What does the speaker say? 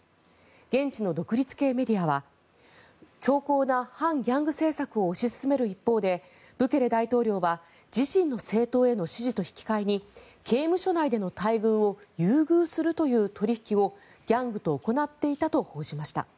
現地の独立系メディアは強硬な反ギャング政策を推し進める一方でブケレ大統領は自身の政党への支持と引き換えに刑務所内での待遇を優遇するという取引をギャングと行っていたと報じました。